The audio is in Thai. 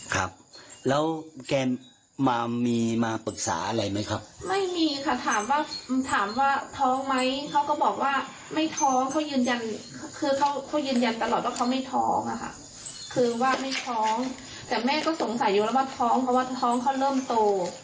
ครับแล้วแกมามีมาปรึกษาอะไรไหมครับไม่มีค่ะถามว่าถามว่าท้องไหมเขาก็บอกว่าไม่ท้องเขายืนยันคือเขาเขายืนยันตลอดว่าเขาไม่ท้องอะค่ะคือว่าไม่ท้องแต่แม่ก็สงสัยอยู่แล้วว่าท้องเพราะว่าท้องเขาเริ่มโต